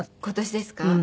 今年ですか？